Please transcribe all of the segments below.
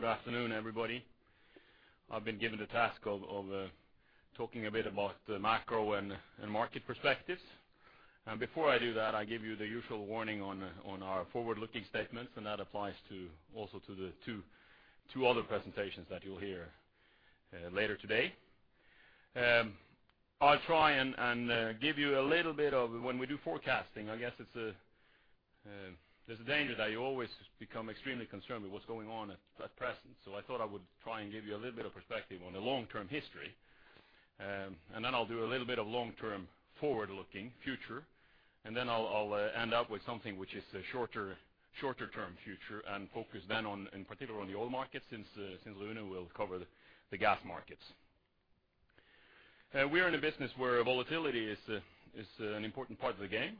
Good afternoon, everybody. I've been given the task of talking a bit about the macro and market perspectives. Before I do that, I give you the usual warning on our forward-looking statements, and that applies to also the two other presentations that you'll hear later today. I'll try and give you a little bit of when we do forecasting, I guess it's there's a danger that you always become extremely concerned with what's going on at present. I thought I would try and give you a little bit of perspective on the long-term history. Then I'll do a little bit of long-term, forward-looking future, and then I'll end up with something which is a shorter term future and focus then on, in particular on the oil market since Rune will cover the gas markets. We are in a business where volatility is an important part of the game.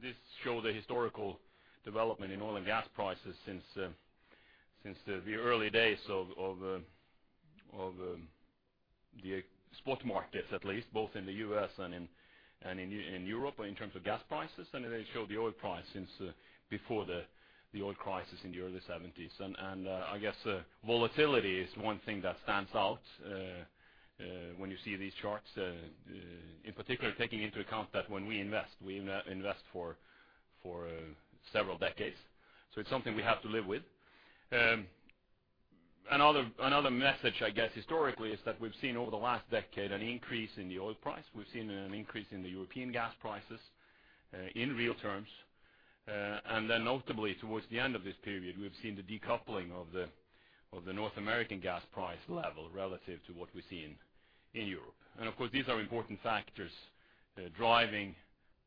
This show the historical development in oil and gas prices since the early days of the spot markets, at least, both in the US and in Europe in terms of gas prices. It show the oil price since before the oil crisis in the early seventies. I guess volatility is one thing that stands out when you see these charts, in particular taking into account that when we invest, we invest for several decades. It's something we have to live with. Another message, I guess, historically is that we've seen over the last decade an increase in the oil price. We've seen an increase in the European gas prices in real terms. Then notably towards the end of this period, we've seen the decoupling of the North American gas price level relative to what we see in Europe. Of course, these are important factors driving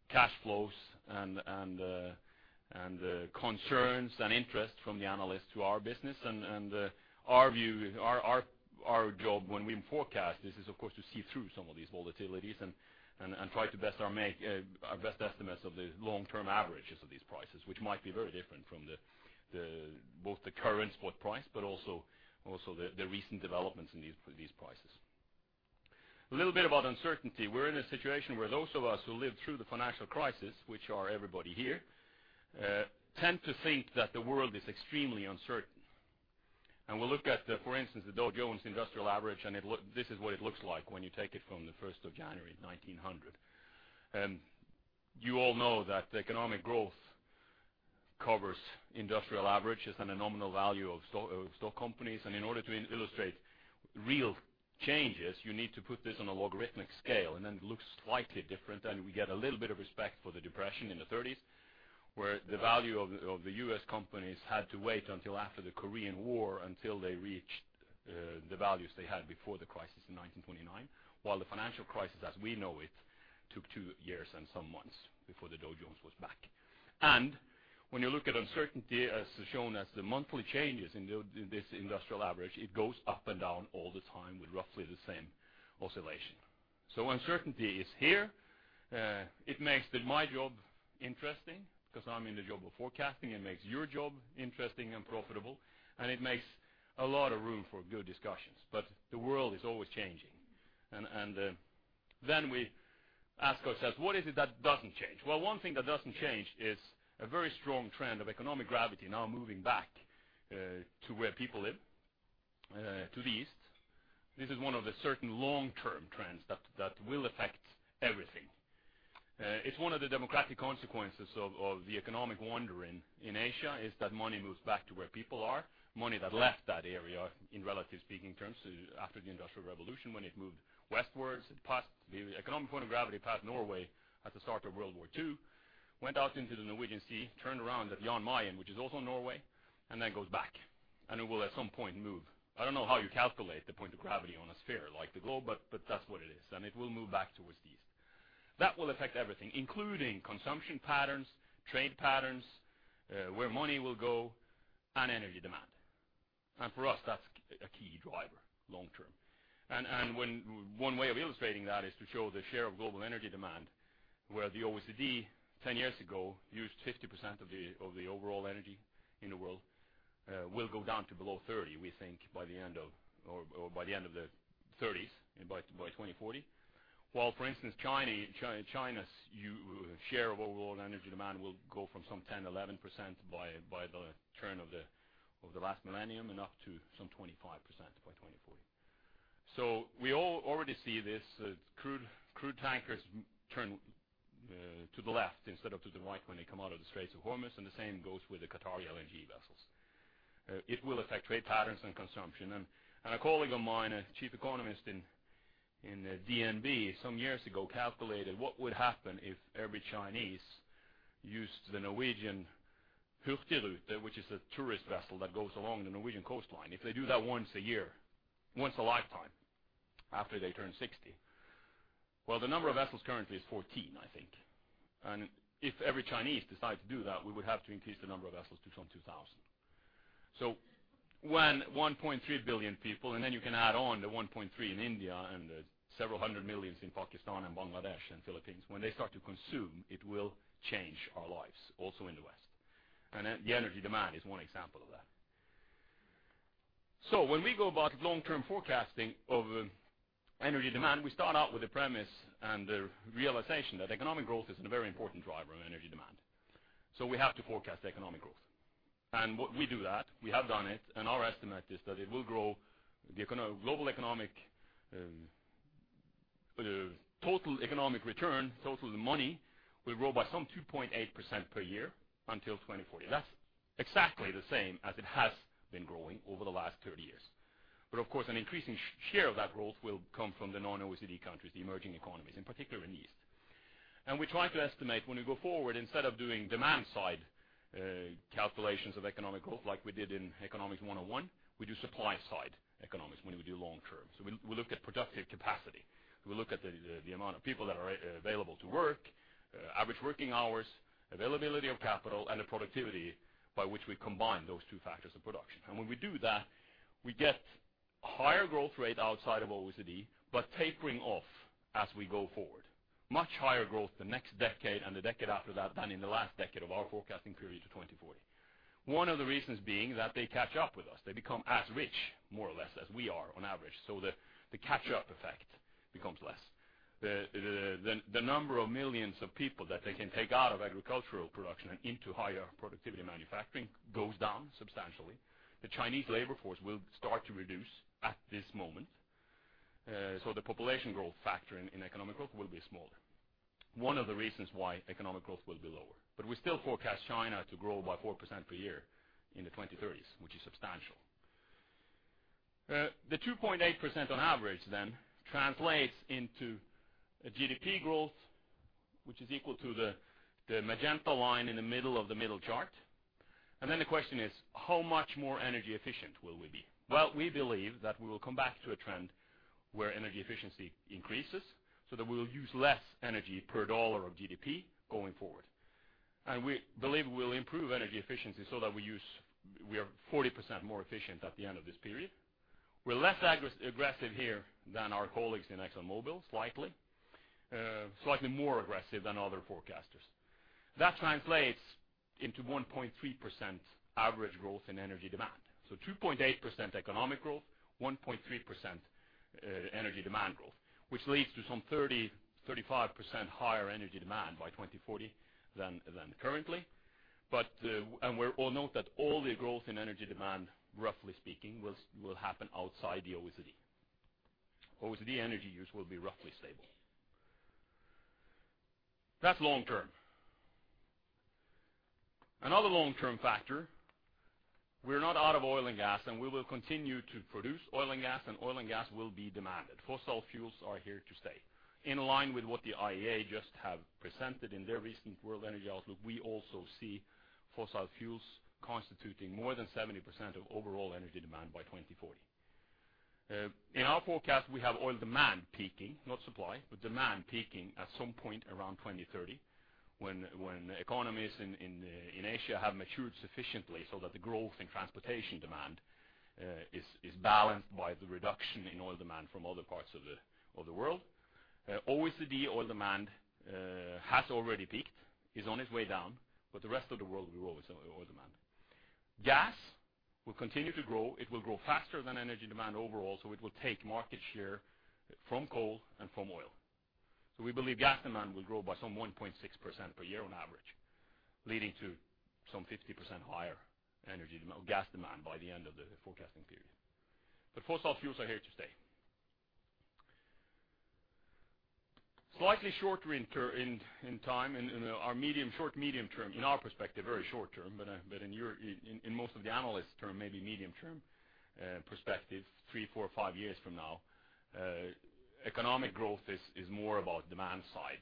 cash flows and concerns and interest from the analysts to our business. Our view, our job when we forecast is of course to see through some of these volatilities and try to make our best estimates of the long-term averages of these prices, which might be very different from both the current spot price, but also the recent developments in these prices. A little bit about uncertainty. We're in a situation where those of us who lived through the financial crisis, which is everybody here, tend to think that the world is extremely uncertain. We look at, for instance, the Dow Jones Industrial Average, this is what it looks like when you take it from the first of January 1900. You all know that the economic growth covers industrial averages and a nominal value of stock companies. In order to illustrate real changes, you need to put this on a logarithmic scale, and then it looks slightly different. We get a little bit of respect for the depression in the thirties, where the value of the US companies had to wait until after the Korean War until they reached the values they had before the crisis in 1929. While the financial crisis as we know it took two years and some months before the Dow Jones was back. When you look at uncertainty as shown as the monthly changes in this industrial average, it goes up and down all the time with roughly the same oscillation. Uncertainty is here. It makes my job interesting because I'm in the job of forecasting. It makes your job interesting and profitable, and it makes a lot of room for good discussions. The world is always changing. Then we ask ourselves, "What is it that doesn't change?" Well, one thing that doesn't change is a very strong trend of economic gravity now moving back to where people live to the east. This is one of the certain long-term trends that will affect everything. It's one of the democratic consequences of the economic wandering in Asia, is that money moves back to where people are. Money that left that area in relative terms after the Industrial Revolution when it moved westwards, it passed the economic point of gravity, passed Norway at the start of World War II, went out into the Norwegian Sea, turned around at Jan Mayen, which is also Norway, and then goes back. It will at some point move. I don't know how you calculate the point of gravity on a sphere like the globe, but that's what it is. It will move back towards the east. That will affect everything, including consumption patterns, trade patterns, where money will go, and energy demand. For us, that's a key driver long-term. When one way of illustrating that is to show the share of global energy demand, where the OECD 10 years ago used 50% of the overall energy in the world, will go down to below 30, we think, by the end of the thirties and by 2040. While for instance, China's share of overall energy demand will go from some 10-11% by the turn of the last millennium and up to some 25% by 2040. We all already see this crude tankers turn to the left instead of to the right when they come out of the Straits of Hormuz, and the same goes with the Qatari LNG vessels. It will affect trade patterns and consumption. A colleague of mine, a chief economist in DNB some years ago, calculated what would happen if every Chinese used the Norwegian Hurtigruten, which is a tourist vessel that goes along the Norwegian coastline. If they do that once a year, once a lifetime after they turn sixty. Well, the number of vessels currently is 14, I think. If every Chinese decide to do that, we would have to increase the number of vessels to some 2,000. When 1.3 billion people, and then you can add on the 1.3 in India and several hundred million in Pakistan and Bangladesh and Philippines, when they start to consume, it will change our lives also in the West. The energy demand is one example of that. When we go about long-term forecasting of energy demand, we start out with the premise and the realization that economic growth is a very important driver of energy demand. We have to forecast economic growth. We do that, we have done it. Our estimate is that it will grow, global economic, total economic return, total money, will grow by some 2.8% per year until 2040. That's exactly the same as it has been growing over the last 30 years. Of course, an increasing share of that growth will come from the non-OECD countries, the emerging economies, in particular in the East. We try to estimate when we go forward, instead of doing demand side calculations of economic growth like we did in Economics 101, we do supply side economics when we do long-term. We look at productive capacity. We look at the amount of people that are available to work, average working hours, availability of capital, and the productivity by which we combine those two factors of production. When we do that, we get higher growth rate outside of OECD, but tapering off as we go forward. Much higher growth the next decade and the decade after that than in the last decade of our forecasting period to 2040. One of the reasons being that they catch up with us. They become as rich, more or less, as we are on average, so the catch-up effect becomes less. The number of millions of people that they can take out of agricultural production and into higher productivity manufacturing goes down substantially. The Chinese labor force will start to reduce at this moment. The population growth factor in economic growth will be smaller. One of the reasons why economic growth will be lower. We still forecast China to grow by 4% per year in the 2030s, which is substantial. The 2.8% on average then translates into a GDP growth, which is equal to the magenta line in the middle of the middle chart. Then the question is, how much more energy efficient will we be? Well, we believe that we will come back to a trend where energy efficiency increases, so that we'll use less energy per dollar of GDP going forward. We believe we'll improve energy efficiency so that we use, we are 40% more efficient at the end of this period. We're less aggressive here than our colleagues in ExxonMobil, slightly. Slightly more aggressive than other forecasters. That translates into 1.3% average growth in energy demand. 2.8% economic growth, 1.3% energy demand growth, which leads to some 35% higher energy demand by 2040 than currently. We all note that all the growth in energy demand, roughly speaking, will happen outside the OECD. OECD energy use will be roughly stable. That's long term. Another long-term factor, we're not out of oil and gas, and we will continue to produce oil and gas, and oil and gas will be demanded. Fossil fuels are here to stay. In line with what the IEA just have presented in their recent World Energy Outlook, we also see fossil fuels constituting more than 70% of overall energy demand by 2040. In our forecast, we have oil demand peaking, not supply, but demand peaking at some point around 2030 when economies in Asia have matured sufficiently so that the growth in transportation demand is balanced by the reduction in oil demand from other parts of the world. OECD oil demand has already peaked, is on its way down, but the rest of the world will raise oil demand. Gas will continue to grow. It will grow faster than energy demand overall, so it will take market share from coal and from oil. We believe gas demand will grow by some 1.6% per year on average, leading to some 50% higher gas demand by the end of the forecasting period. Fossil fuels are here to stay. Slightly shorter in time, in our medium, short-medium term, in our perspective, very short term, but in your, in most of the analysts' term, maybe medium term perspective, three, four, five years from now, economic growth is more about demand-side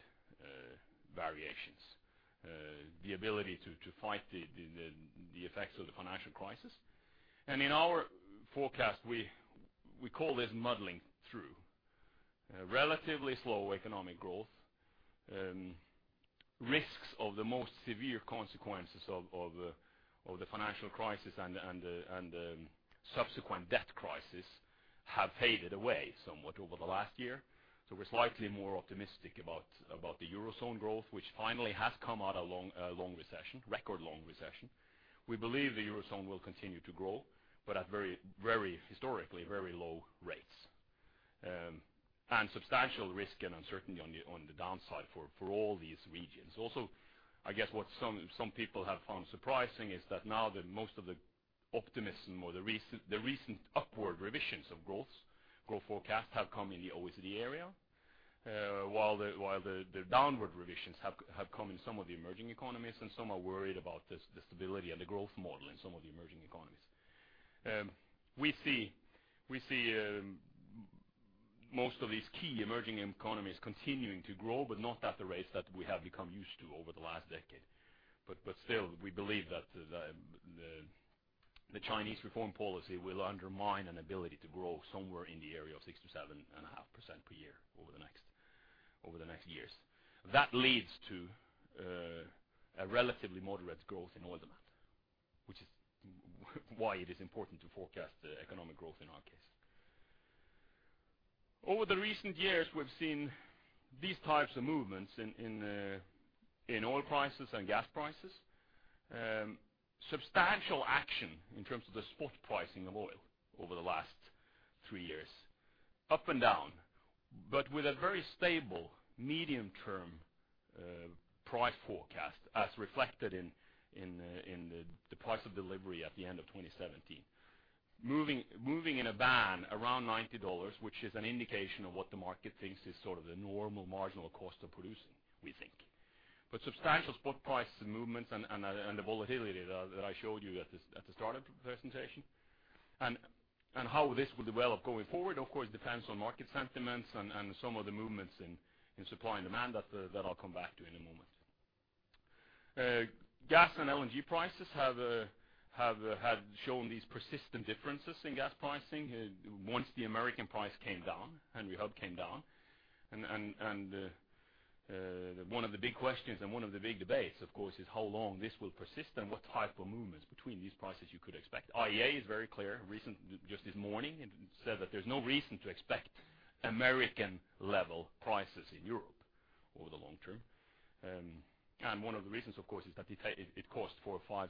variations. The ability to fight the effects of the financial crisis. In our forecast, we call this muddling through. Relatively slow economic growth. Risks of the most severe consequences of the financial crisis and the subsequent debt crisis have faded away somewhat over the last year. We're slightly more optimistic about the Eurozone growth, which finally has come out a long recession, record long recession. We believe the Eurozone will continue to grow, but at very historically low rates. Substantial risk and uncertainty on the downside for all these regions. Also, I guess what some people have found surprising is that now most of the optimism or the recent upward revisions of growth forecasts have come in the OECD area, while the downward revisions have come in some of the emerging economies, and some are worried about the stability and the growth model in some of the emerging economies. We see most of these key emerging economies continuing to grow, but not at the rates that we have become used to over the last decade. Still, we believe that Chinese reform policy will undermine an ability to grow somewhere in the area of 6%-7.5% per year over the next years. That leads to a relatively moderate growth in oil demand, which is why it is important to forecast economic growth in our case. Over the recent years, we've seen these types of movements in oil prices and gas prices. Substantial action in terms of the spot pricing of oil over the last three years, up and down. With a very stable medium-term price forecast as reflected in the price of delivery at the end of 2017. Moving in a band around $90, which is an indication of what the market thinks is sort of the normal marginal cost of producing, we think. Substantial spot prices movements and the volatility that I showed you at the start of presentation. How this will develop going forward, of course, depends on market sentiments and some of the movements in supply and demand that I'll come back to in a moment. Gas and LNG prices have shown these persistent differences in gas pricing once the American price came down, Henry Hub came down. One of the big questions and one of the big debates, of course, is how long this will persist and what type of movements between these prices you could expect. IEA is very clear. Just this morning, it said that there's no reason to expect American-level prices in Europe over the long term. One of the reasons, of course, is that it costs $4-$6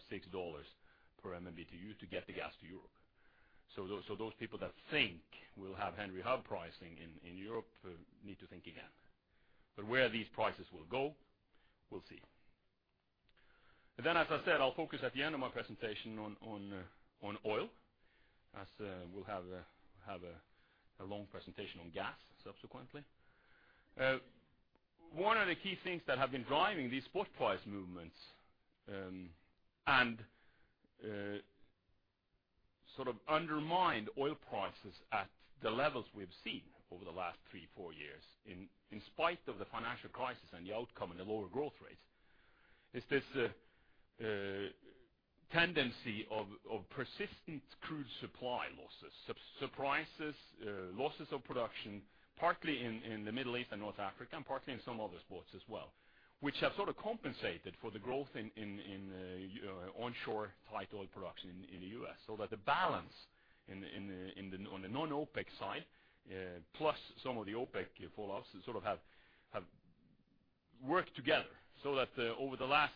per MMBtu to get the gas to Europe. Those people that think we'll have Henry Hub pricing in Europe need to think again. Where these prices will go, we'll see. As I said, I'll focus at the end of my presentation on oil, as we'll have a long presentation on gas subsequently. One of the key things that have been driving these spot price movements and sort of undermined oil prices at the levels we've seen over the last three-four years in spite of the financial crisis and the outcome and the lower growth rates is this tendency of persistent crude supply losses. Surprises, losses of production, partly in the Middle East and North Africa, and partly in some other spots as well, which have sort of compensated for the growth in onshore tight oil production in the U.S. So that the balance in the. On the non-OPEC side, plus some of the OPEC falloffs sort of have worked together so that over the last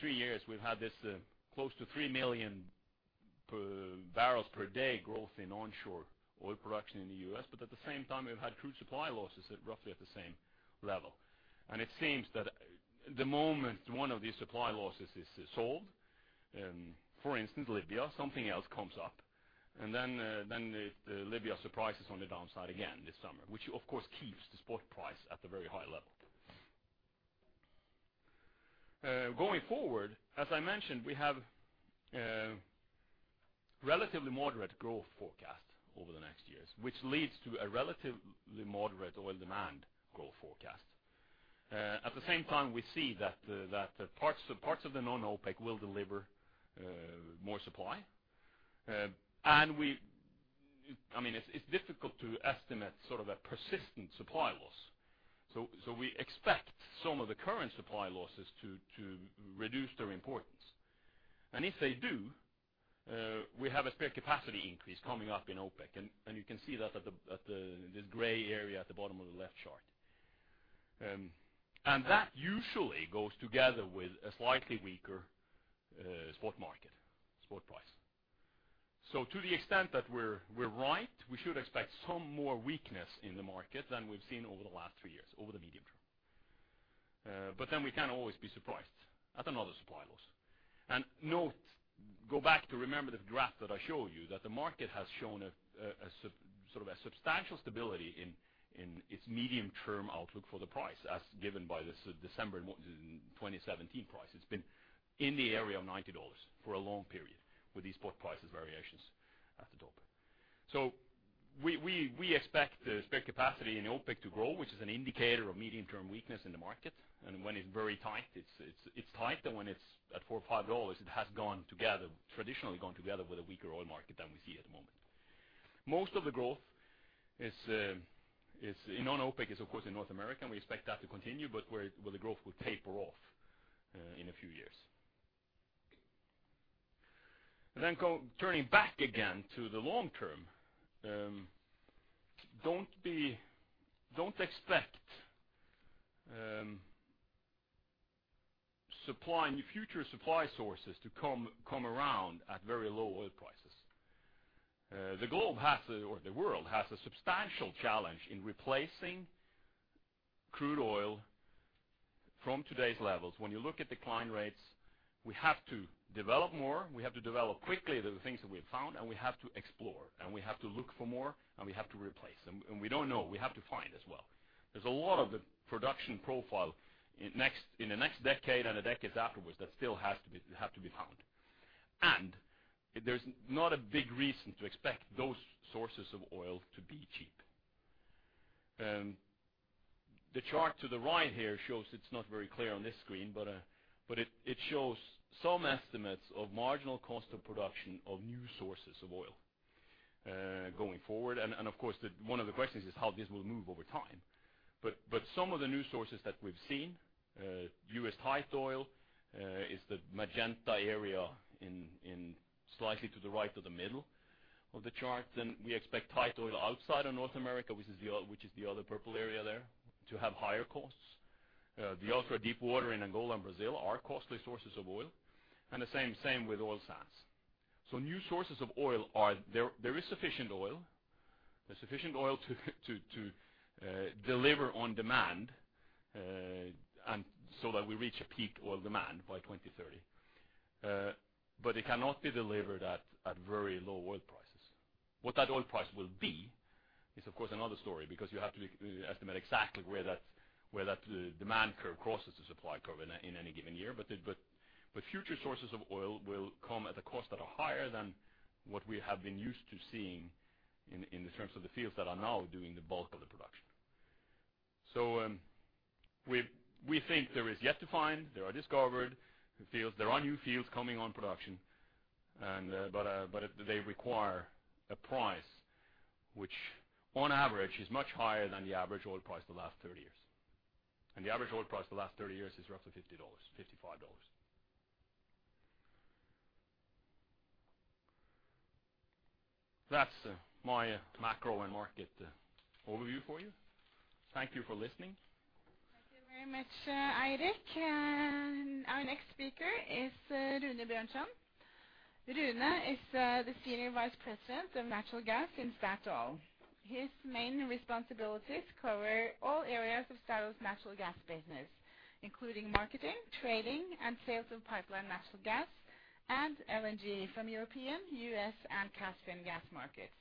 three years, we've had this close to 3 million barrels per day growth in onshore oil production in the US, but at the same time, we've had crude supply losses at roughly the same level. It seems that the moment one of these supply losses is solved, for instance, Libya, something else comes up. Then the Libya surprise is on the downside again this summer, which of course keeps the spot price at the very high level. Going forward, as I mentioned, we have relatively moderate growth forecast over the next years, which leads to a relatively moderate oil demand growth forecast. At the same time, we see that parts of the non-OPEC will deliver more supply. I mean, it's difficult to estimate sort of a persistent supply loss. We expect some of the current supply losses to reduce their importance. If they do, we have a spare capacity increase coming up in OPEC. You can see that at this gray area at the bottom of the left chart. That usually goes together with a slightly weaker spot market spot price. To the extent that we're right, we should expect some more weakness in the market than we've seen over the last three years, over the medium term. We can always be surprised at another supply loss. Note, go back to remember the graph that I showed you, that the market has shown a sort of a substantial stability in its medium-term outlook for the price, as given by this December 2017 price. It's been in the area of $90 for a long period, with these spot price variations at the top. We expect the spare capacity in OPEC to grow, which is an indicator of medium-term weakness in the market. When it's very tight, it's tighter than when it's at $4, $5, it has traditionally gone together with a weaker oil market than we see at the moment. Most of the growth is in non-OPEC, of course in North America, and we expect that to continue, but where the growth will taper off in a few years. Turning back again to the long term, don't expect new future supply sources to come around at very low oil prices. The globe has, or the world has, a substantial challenge in replacing crude oil from today's levels. When you look at decline rates, we have to develop more, we have to develop quickly the things that we've found, and we have to explore, and we have to look for more, and we have to replace. We don't know, we have to find as well. There's a lot of the production profile in the next decade and the decades afterwards that still has to be found. There's not a big reason to expect those sources of oil to be cheap. The chart to the right here shows. It's not very clear on this screen, but it shows some estimates of marginal cost of production of new sources of oil going forward. Of course, one of the questions is how this will move over time. Some of the new sources that we've seen, U.S. tight oil, is the magenta area slightly to the right of the middle of the chart. Then we expect tight oil outside of North America, which is the other purple area there, to have higher costs. The ultra-deep water in Angola and Brazil are costly sources of oil, and the same with oil sands. There is sufficient oil to deliver on demand that we reach a peak oil demand by 2030. It cannot be delivered at very low oil prices. What that oil price will be is, of course, another story because you have to estimate exactly where that demand curve crosses the supply curve in any given year. Future sources of oil will come at a cost that are higher than what we have been used to seeing in the terms of the fields that are now doing the bulk of the production. We think there is yet to find. There are discovered fields. There are new fields coming on production but they require a price which on average is much higher than the average oil price the last 30 years. The average oil price the last 30 years is roughly $50, $55. That's my macro and market overview for you. Thank you for listening. Thank you very much, Eirik. Our next speaker is Rune Bjørnstad. Rune is the Senior Vice President of Natural Gas in Statoil. His main responsibilities cover all areas of Statoil 's natural gas business, including marketing, trading, and sales of pipeline natural gas and LNG from European, U.S., and Caspian gas markets.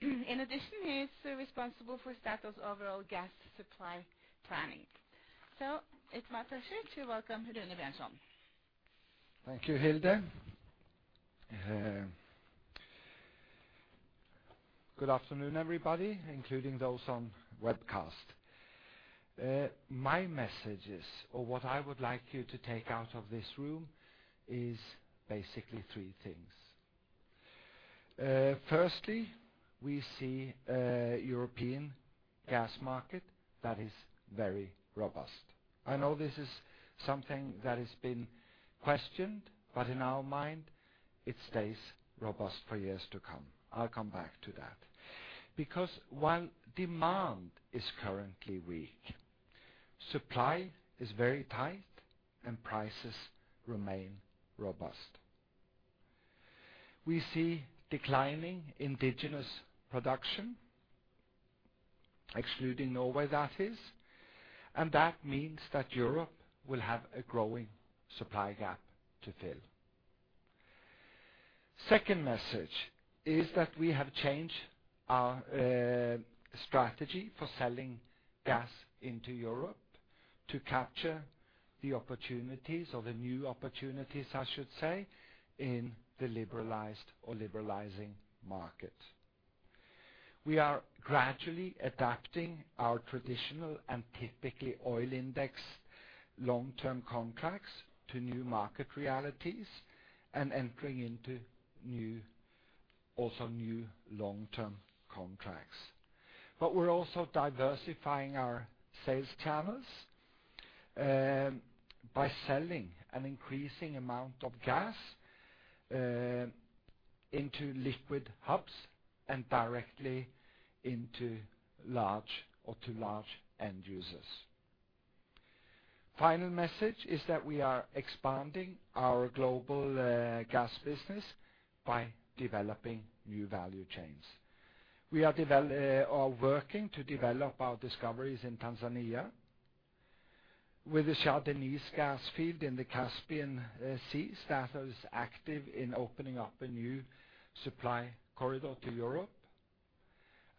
In addition, he is responsible for Statoil 's overall gas supply planning. It's my pleasure to welcome Rune Bjørnstad. Thank you, Hilde. Good afternoon, everybody, including those on webcast. My messages or what I would like you to take out of this room is basically three things. Firstly, we see a European gas market that is very robust. I know this is something that has been questioned, but in our mind, it stays robust for years to come. I'll come back to that. Because while demand is currently weak, supply is very tight and prices remain robust. We see declining indigenous production, excluding Norway that is, and that means that Europe will have a growing supply gap to fill. Second message is that we have changed our strategy for selling gas into Europe to capture the opportunities or the new opportunities, I should say, in the liberalized or liberalizing market. We are gradually adapting our traditional and typically oil index long-term contracts to new market realities and entering into new, also new long-term contracts. We're also diversifying our sales channels by selling an increasing amount of gas into liquid hubs and directly into large or to large end users. Final message is that we are expanding our global gas business by developing new value chains. We are working to develop our discoveries in Tanzania. With the Shah Deniz gas field in the Caspian Sea, Statoil is active in opening up a new supply corridor to Europe.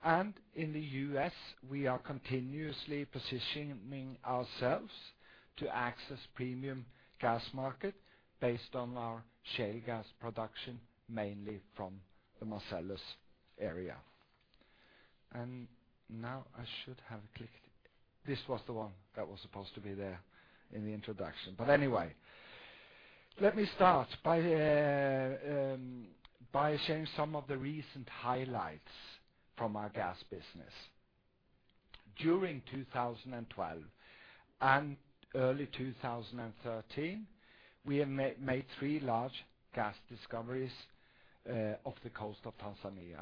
In the US, we are continuously positioning ourselves to access premium gas market based on our shale gas production, mainly from the Marcellus area. Now I should have clicked. This was the one that was supposed to be there in the introduction. Anyway, let me start by sharing some of the recent highlights from our gas business. During 2012 and early 2013, we have made three large gas discoveries off the coast of Tanzania.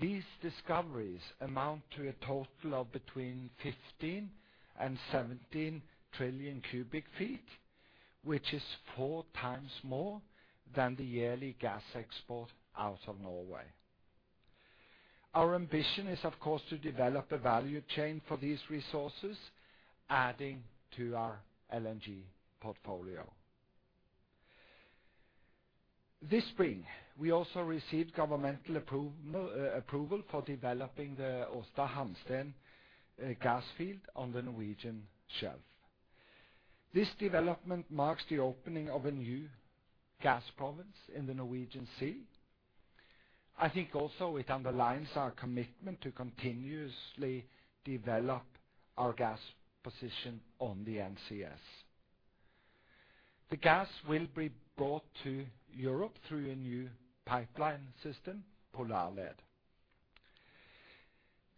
These discoveries amount to a total of between 15 and 17 trillion cubic feet, which is four times more than the yearly gas export out of Norway. Our ambition is, of course, to develop a value chain for these resources, adding to our LNG portfolio. This spring, we also received governmental approval for developing the Aasta Hansteen gas field on the Norwegian shelf. This development marks the opening of a new gas province in the Norwegian Sea. I think also it underlines our commitment to continuously develop our gas position on the NCS. The gas will be brought to Europe through a new pipeline system, Polarled.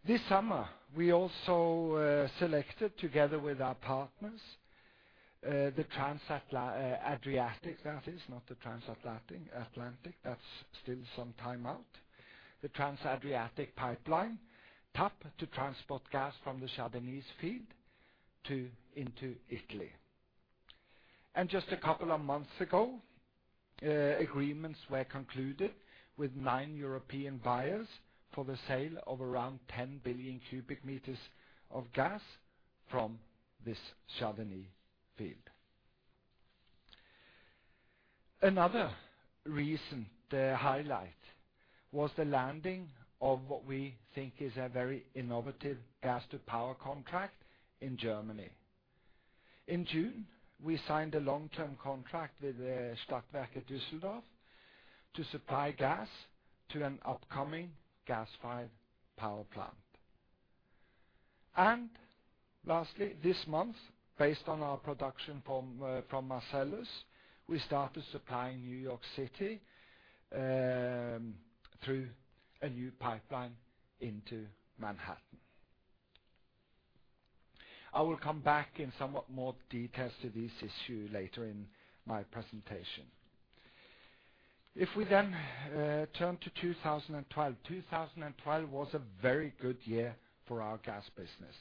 This summer, we also selected together with our partners the Trans Adriatic, that is, not the Trans-Atlantic, Atlantic. That's still some time out. The Trans Adriatic Pipeline, TAP, to transport gas from the Shah Deniz field into Italy. Just a couple of months ago, agreements were concluded with nine European buyers for the sale of around 10 billion cubic meters of gas from this Shah Deniz field. Another recent highlight was the landing of what we think is a very innovative gas to power contract in Germany. In June, we signed a long-term contract with Stadtwerke Düsseldorf to supply gas to an upcoming gas-fired power plant. Lastly, this month, based on our production from Marcellus, we started supplying New York City through a new pipeline into Manhattan. I will come back in somewhat more details to this issue later in my presentation. If we then turn to 2012. 2012 was a very good year for our gas business.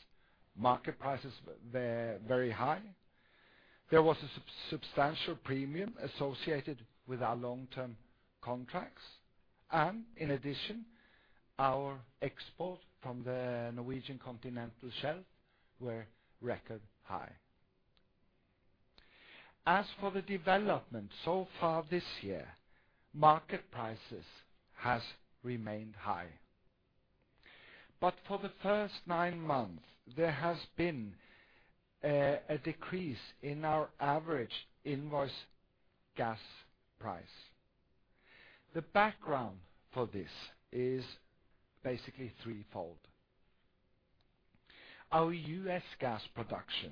Market prices were very high. There was a substantial premium associated with our long-term contracts. In addition, our export from the Norwegian Continental Shelf were record high. As for the development so far this year, market prices has remained high. For the first 9 months, there has been a decrease in our average invoice gas price. The background for this is basically threefold. Our U.S. gas production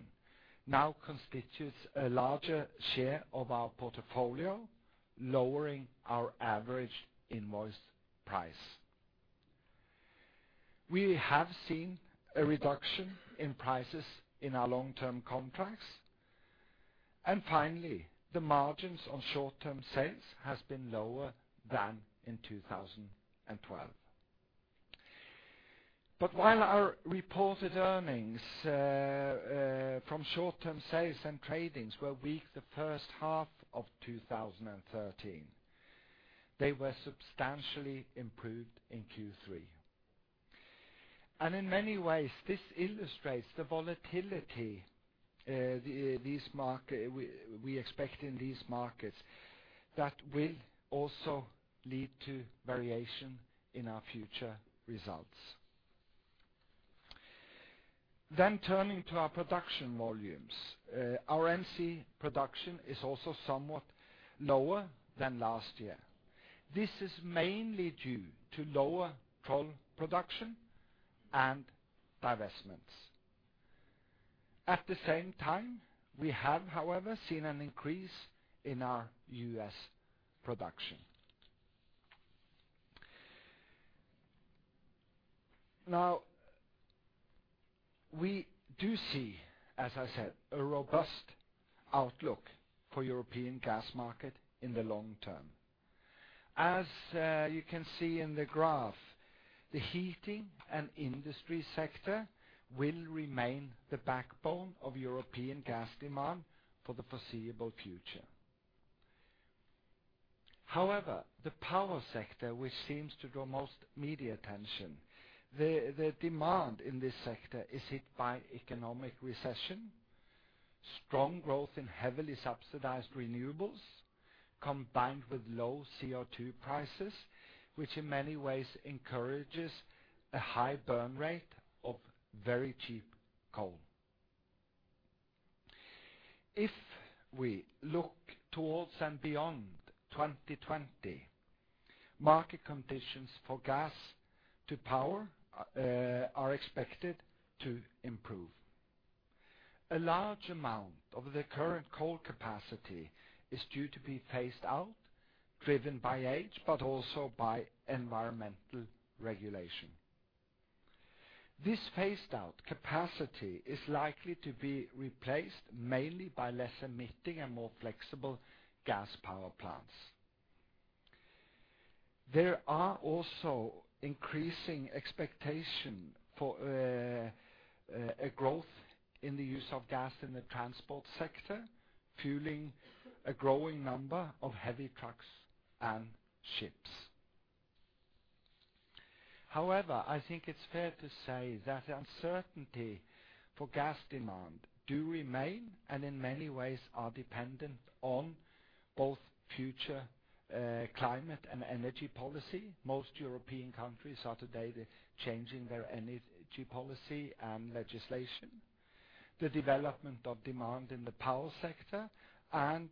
now constitutes a larger share of our portfolio, lowering our average invoice price. We have seen a reduction in prices in our long-term contracts. Finally, the margins on short-term sales has been lower than in 2012. While our reported earnings from short-term sales and tradings were weak the first half of 2013, they were substantially improved in Q3. In many ways, this illustrates the volatility we expect in these markets that will also lead to variation in our future results. Turning to our production volumes. Our NCS production is also somewhat lower than last year. This is mainly due to lower Troll production and divestments. At the same time, we have, however, seen an increase in our U.S. production. Now, we do see, as I said, a robust outlook for European gas market in the long term. As you can see in the graph, the heating and industry sector will remain the backbone of European gas demand for the foreseeable future. However, the power sector, which seems to draw most media attention, demand in this sector is hit by economic recession, strong growth in heavily subsidized renewables, combined with low CO2 prices, which in many ways encourages a high burn rate of very cheap coal. If we look towards and beyond 2020, market conditions for gas to power are expected to improve. A large amount of the current coal capacity is due to be phased out, driven by age, but also by environmental regulation. This phased out capacity is likely to be replaced mainly by less emitting and more flexible gas power plants. There are also increasing expectation for a growth in the use of gas in the transport sector, fueling a growing number of heavy trucks and ships. However, I think it's fair to say that the uncertainty for gas demand do remain, and in many ways are dependent on both future, climate and energy policy. Most European countries are today changing their energy policy and legislation, the development of demand in the power sector, and,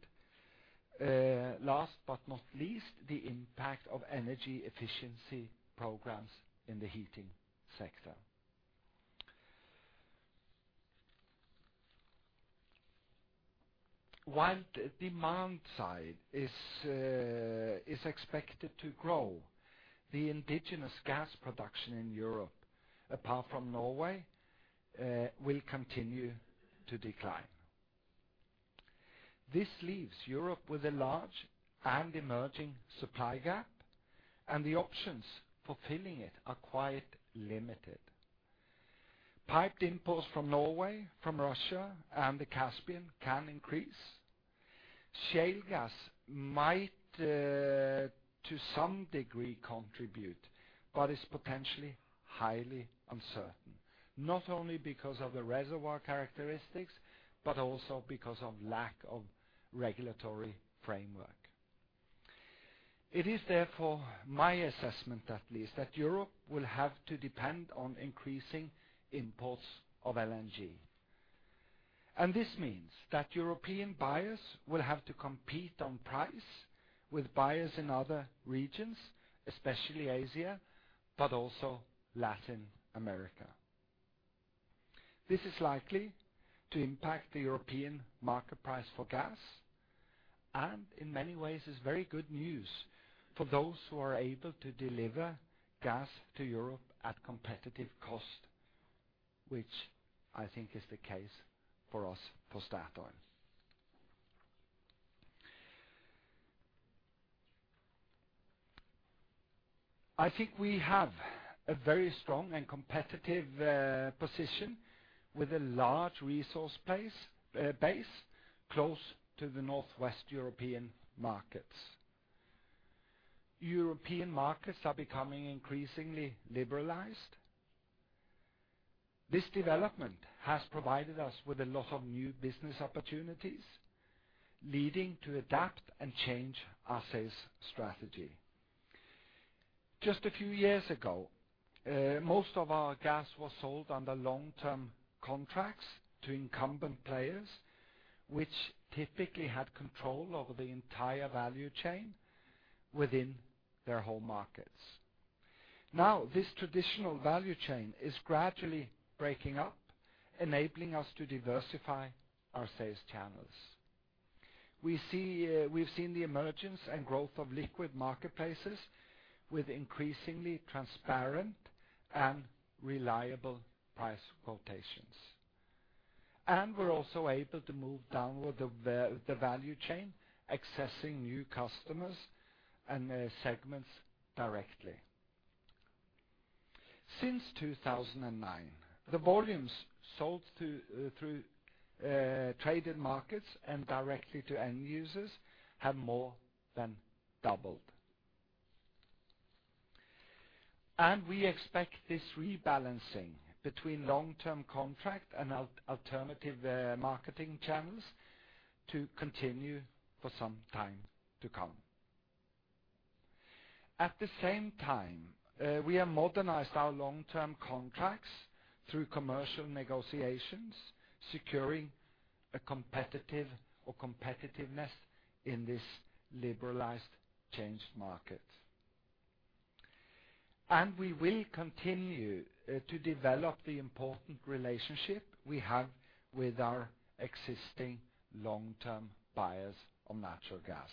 last but not least, the impact of energy efficiency programs in the heating sector. While the demand side is expected to grow, the indigenous gas production in Europe, apart from Norway, will continue to decline. This leaves Europe with a large and emerging supply gap, and the options for filling it are quite limited. Piped imports from Norway, from Russia, and the Caspian can increase. Shale gas might, to some degree, contribute, but is potentially highly uncertain, not only because of the reservoir characteristics, but also because of lack of regulatory framework. It is therefore my assessment at least that Europe will have to depend on increasing imports of LNG. This means that European buyers will have to compete on price with buyers in other regions, especially Asia, but also Latin America. This is likely to impact the European market price for gas, and in many ways is very good news for those who are able to deliver gas to Europe at competitive cost, which I think is the case for us, for Statoil. I think we have a very strong and competitive position with a large resource base close to the Northwest European markets. European markets are becoming increasingly liberalized. This development has provided us with a lot of new business opportunities, leading to adapt and change our sales strategy. Just a few years ago, most of our gas was sold under long-term contracts to incumbent players, which typically had control over the entire value chain within their home markets. Now, this traditional value chain is gradually breaking up, enabling us to diversify our sales channels. We've seen the emergence and growth of liquid marketplaces with increasingly transparent and reliable price quotations. We're also able to move downward the value chain, accessing new customers and segments directly. Since 2009, the volumes sold through traded markets and directly to end users have more than doubled. We expect this rebalancing between long-term contract and alternative marketing channels to continue for some time to come. At the same time, we have modernized our long-term contracts through commercial negotiations, securing a competitive or competitiveness in this liberalized changed market. We will continue to develop the important relationship we have with our existing long-term buyers of natural gas.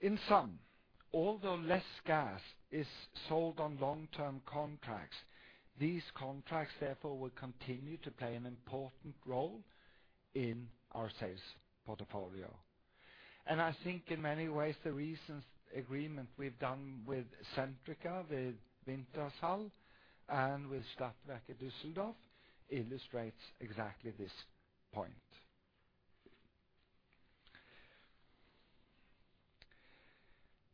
In sum, although less gas is sold on long-term contracts, these contracts therefore will continue to play an important role in our sales portfolio. I think in many ways, the recent agreement we've done with Centrica, with Wintershall, and with Stadtwerke Düsseldorf illustrates exactly this point.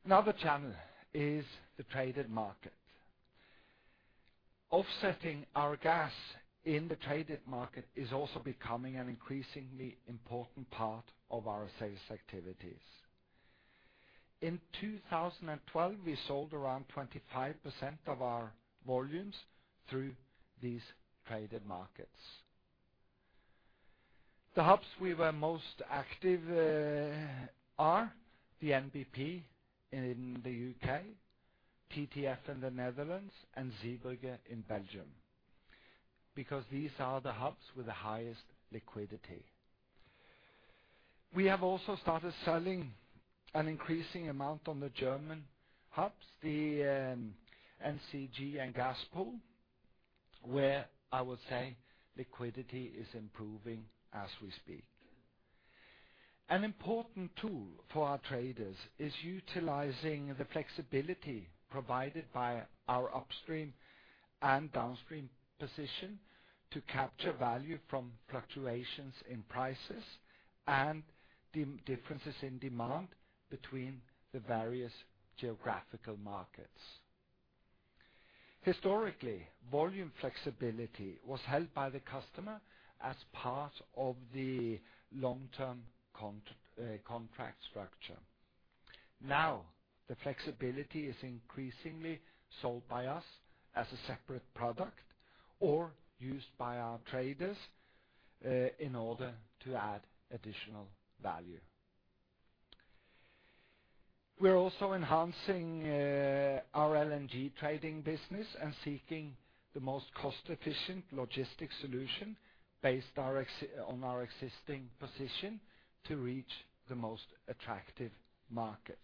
Another channel is the traded market. Offsetting our gas in the traded market is also becoming an increasingly important part of our sales activities. In 2012, we sold around 25% of our volumes through these traded markets. The hubs we were most active are the NBP in the U.K., TTF in the Netherlands, and Zeebrugge in Belgium, because these are the hubs with the highest liquidity. We have also started selling an increasing amount on the German hubs, the NCG and Gaspool, where I would say liquidity is improving as we speak. An important tool for our traders is utilizing the flexibility provided by our upstream and downstream position to capture value from fluctuations in prices and differences in demand between the various geographical markets. Historically, volume flexibility was held by the customer as part of the long-term contract structure. Now, the flexibility is increasingly sold by us as a separate product or used by our traders in order to add additional value. We're also enhancing our LNG trading business and seeking the most cost-efficient logistics solution based on our existing position to reach the most attractive markets.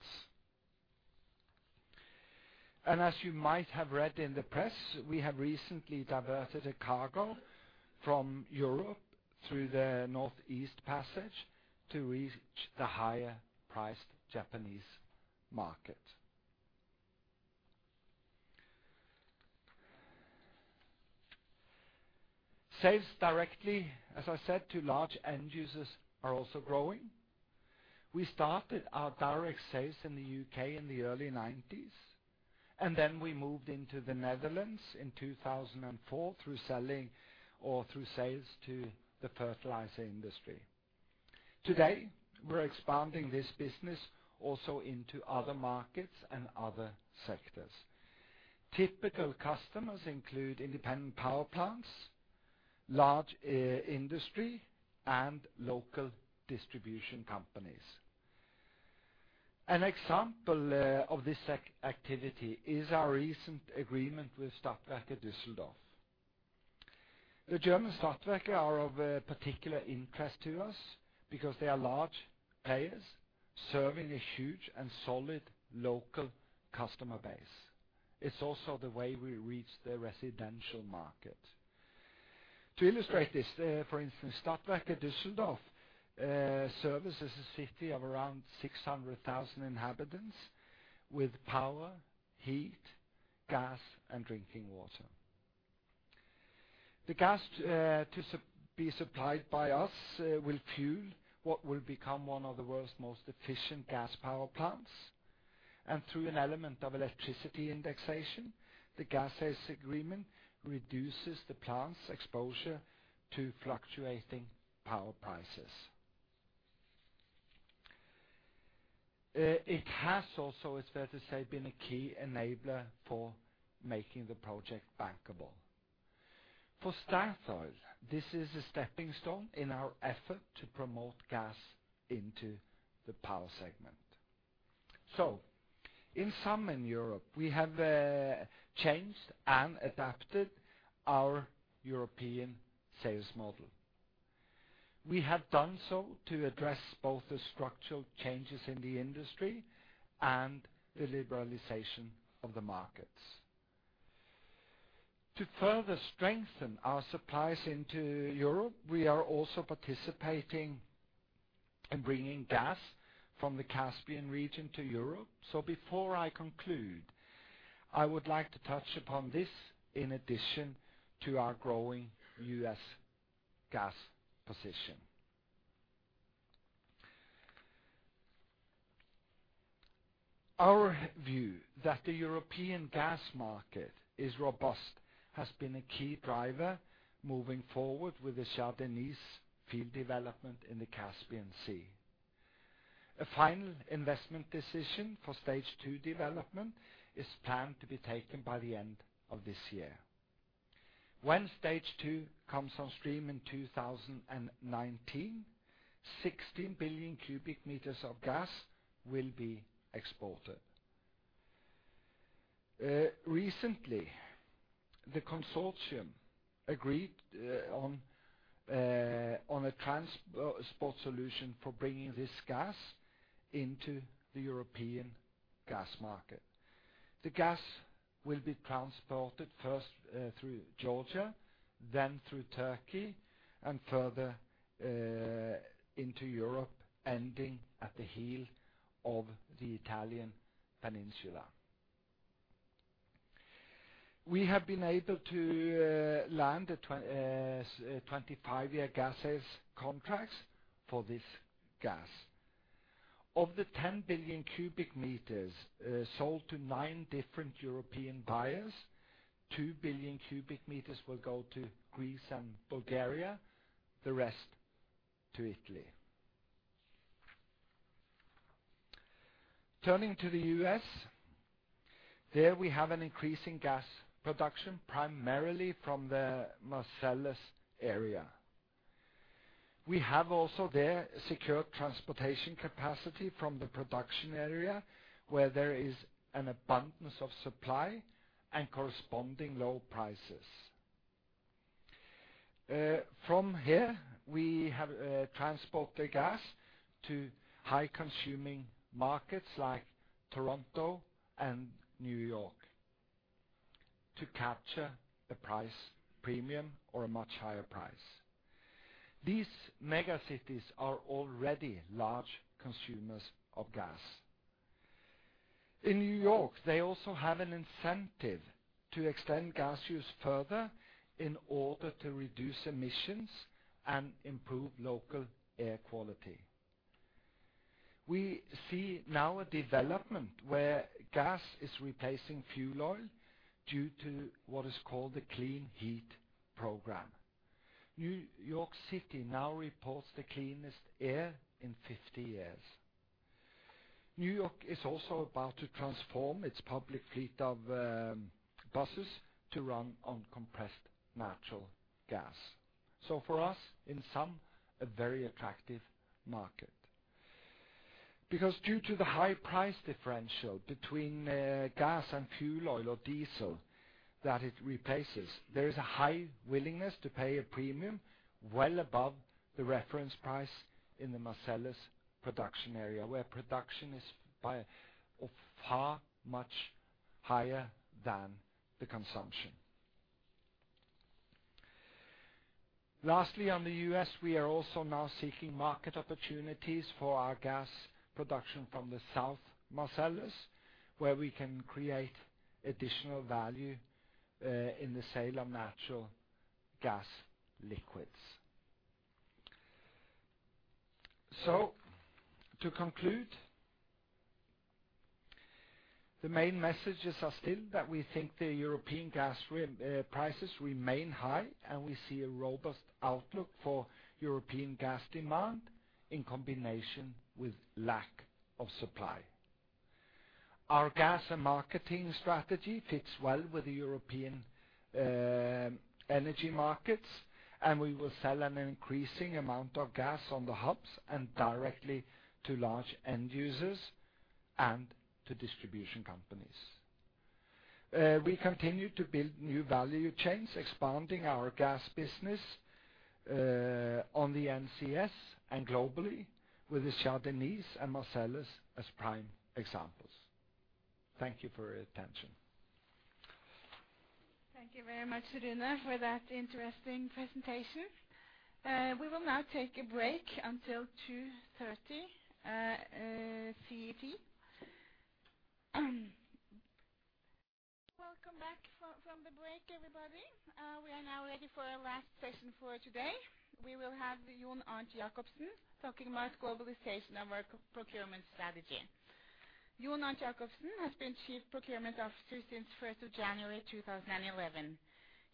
As you might have read in the press, we have recently diverted a cargo from Europe through the Northeast Passage to reach the higher-priced Japanese market. Sales directly, as I said, to large end users are also growing. We started our direct sales in the U.K. in the early 1990s, and then we moved into the Netherlands in 2004 through sales to the fertilizer industry. Today, we're expanding this business also into other markets and other sectors. Typical customers include independent power plants, large industry, and local distribution companies. An example of this activity is our recent agreement with Stadtwerke Düsseldorf. The German Stadtwerke are of a particular interest to us because they are large players serving a huge and solid local customer base. It's also the way we reach the residential market. To illustrate this, for instance, Stadtwerke Düsseldorf services a city of around 600,000 inhabitants with power, heat, gas, and drinking water. The gas to be supplied by us will fuel what will become one of the world's most efficient gas power plants, and through an element of electricity indexation, the gas sales agreement reduces the plant's exposure to fluctuating power prices. It has also, it's fair to say, been a key enabler for making the project bankable. For Statoil, this is a stepping stone in our effort to promote gas into the power segment. In sum in Europe, we have changed and adapted our European sales model. We have done so to address both the structural changes in the industry and the liberalization of the markets. To further strengthen our supplies into Europe, we are also participating in bringing gas from the Caspian region to Europe. Before I conclude, I would like to touch upon this in addition to our growing U.S. gas position. Our view that the European gas market is robust has been a key driver moving forward with the Shah Deniz field development in the Caspian Sea. A final investment decision for stage two development is planned to be taken by the end of this year. When stage two comes on stream in 2019, 16 billion cubic meters of gas will be exported. Recently, the consortium agreed on a transport solution for bringing this gas into the European gas market. The gas will be transported first through Georgia, then through Turkey and further into Europe, ending at the heel of the Italian peninsula. We have been able to land a 25-year gas sales contracts for this gas. Of the 10 billion cubic meters sold to nine different European buyers, 2 billion cubic meters will go to Greece and Bulgaria, the rest to Italy. Turning to the US, there we have an increasing gas production, primarily from the Marcellus area. We have also there secured transportation capacity from the production area where there is an abundance of supply and corresponding low prices. From here, we have transported gas to high-consuming markets like Toronto and New York to capture a price premium or a much higher price. These mega cities are already large consumers of gas. In New York, they also have an incentive to extend gas use further in order to reduce emissions and improve local air quality. We see now a development where gas is replacing fuel oil due to what is called the Clean Heat Program. New York City now reports the cleanest air in 50 years. New York is also about to transform its public fleet of buses to run on compressed natural gas. For us, in sum, a very attractive market. Because due to the high price differential between gas and fuel oil or diesel that it replaces. There is a high willingness to pay a premium well above the reference price in the Marcellus production area, where production is by far much higher than the consumption. Lastly, on the U.S., we are also now seeking market opportunities for our gas production from the South Marcellus, where we can create additional value, in the sale of natural gas liquids. To conclude, the main messages are still that we think the European gas prices remain high, and we see a robust outlook for European gas demand in combination with lack of supply. Our gas and marketing strategy fits well with the European, energy markets, and we will sell an increasing amount of gas on the hubs and directly to large end users and to distribution companies. We continue to build new value chains, expanding our gas business, on the NCS and globally with the Shah Deniz and Marcellus as prime examples. Thank you for your attention. Thank you very much, Rune Bjørnstad, for that interesting presentation. We will now take a break until 2:30 CET. Welcome back from the break, everybody. We are now ready for our last session for today. We will have Jon Arnt Jacobsen talking about globalization of our procurement strategy. Jon Arnt Jacobsen has been Chief Procurement Officer since first of January 2011.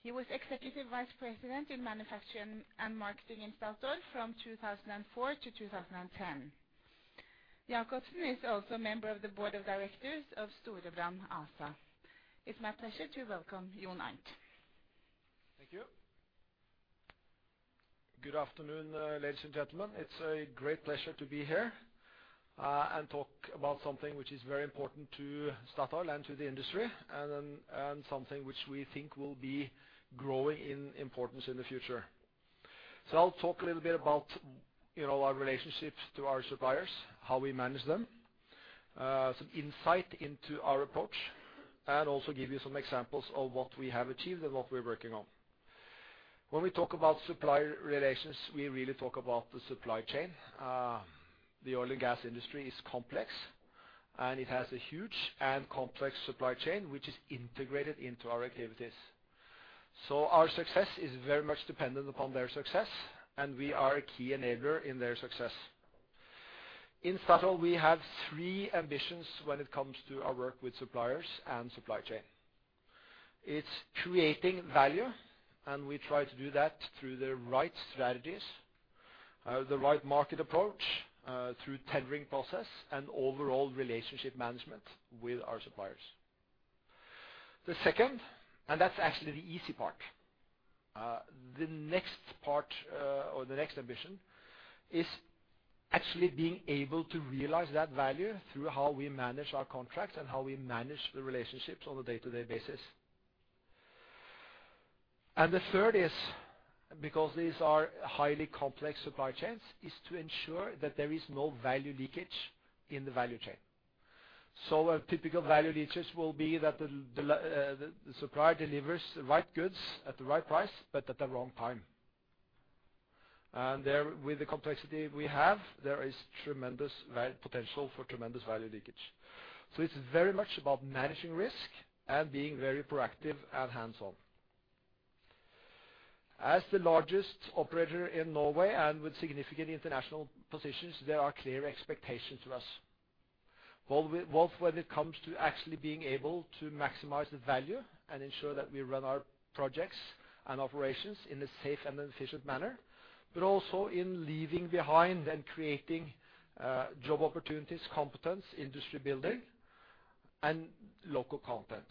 He was Executive Vice President in Manufacturing and Marketing in Statoil from 2004 to 2010. Jacobsen is also a member of the Board of Directors of Storebrand ASA. It's my pleasure to welcome Jon Arnt. Thank you. Good afternoon, ladies and gentlemen. It's a great pleasure to be here and talk about something which is very important to Statoil and to the industry and something which we think will be growing in importance in the future. I'll talk a little bit about, you know, our relationships to our suppliers, how we manage them, some insight into our approach, and also give you some examples of what we have achieved and what we're working on. When we talk about supplier relations, we really talk about the supply chain. The oil and gas industry is complex, and it has a huge and complex supply chain which is integrated into our activities. Our success is very much dependent upon their success, and we are a key enabler in their success. In Statoil, we have three ambitions when it comes to our work with suppliers and supply chain. It's creating value, and we try to do that through the right strategies, the right market approach, through tendering process and overall relationship management with our suppliers. The second, and that's actually the easy part. The next part, or the next ambition is actually being able to realize that value through how we manage our contracts and how we manage the relationships on a day-to-day basis. The third is, because these are highly complex supply chains, to ensure that there is no value leakage in the value chain. A typical value leakage will be that the supplier delivers the right goods at the right price, but at the wrong time. There, with the complexity we have, there is tremendous potential for tremendous value leakage. It's very much about managing risk and being very proactive and hands-on. As the largest operator in Norway and with significant international positions, there are clear expectations for us, both when it comes to actually being able to maximize the value and ensure that we run our projects and operations in a safe and efficient manner, but also in leaving behind and creating job opportunities, competence, industry building, and local content.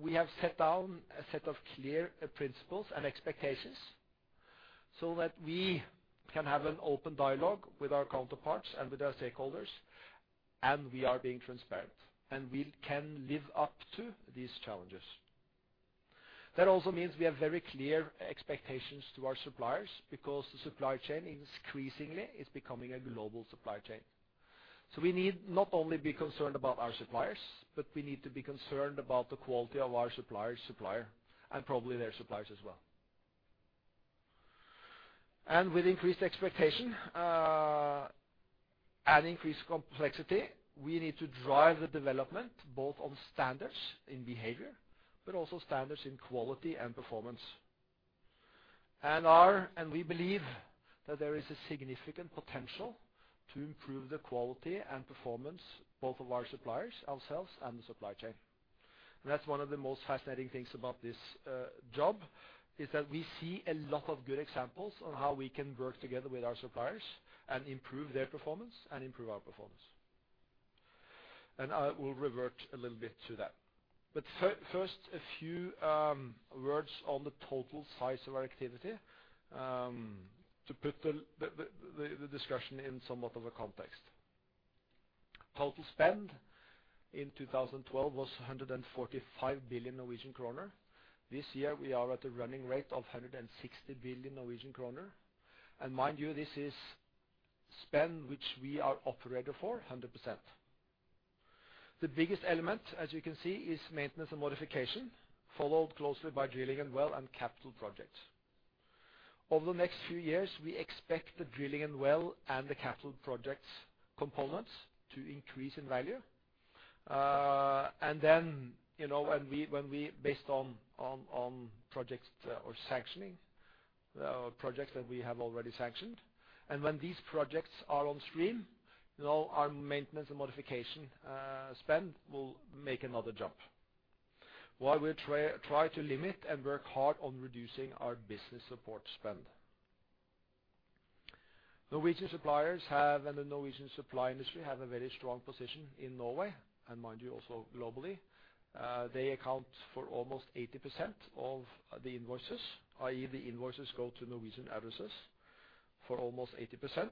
We have set down a set of clear principles and expectations so that we can have an open dialogue with our counterparts and with our stakeholders, and we are being transparent. We can live up to these challenges. That also means we have very clear expectations to our suppliers because the supply chain increasingly is becoming a global supply chain. We need not only be concerned about our suppliers, but we need to be concerned about the quality of our supplier's supplier and probably their suppliers as well. With increased expectation, and increased complexity, we need to drive the development both on standards in behavior, but also standards in quality and performance. We believe that there is a significant potential to improve the quality and performance both of our suppliers, ourselves, and the supply chain. That's one of the most fascinating things about this job, is that we see a lot of good examples on how we can work together with our suppliers and improve their performance and improve our performance. I will revert a little bit to that. First, a few words on the total size of our activity, to put the discussion in somewhat of a context. Total spend in 2012 was 145 billion Norwegian kroner. This year, we are at a running rate of 160 billion Norwegian kroner. Mind you, this is spend which we are operator for 100%. The biggest element, as you can see, is maintenance and modification, followed closely by drilling and well and capital projects. Over the next few years, we expect the drilling and well and the capital projects components to increase in value. Then, you know, when we base on projects or sanctioning, or projects that we have already sanctioned. When these projects are on stream, you know, our maintenance and modification spend will make another jump, while we try to limit and work hard on reducing our business support spend. Norwegian suppliers have, and the Norwegian supply industry, have a very strong position in Norway and mind you, also globally. They account for almost 80% of the invoices, i.e., the invoices go to Norwegian addresses for almost 80%.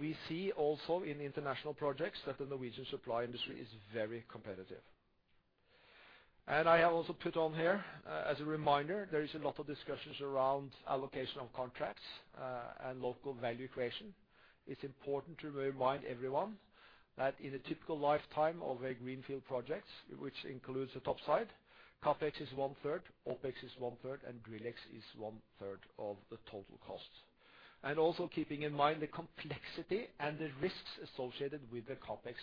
We see also in international projects that the Norwegian supply industry is very competitive. I have also put on here as a reminder, there is a lot of discussions around allocation of contracts, and local value creation. It's important to remind everyone that in a typical lifetime of a greenfield project, which includes the topside, CapEx is one-third, OpEx is one-third, and DrillEx is one-third of the total cost. Also keeping in mind the complexity and the risks associated with the CapEx